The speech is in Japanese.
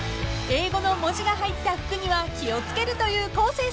［英語の文字が入った服には気を付けるという昴生さん］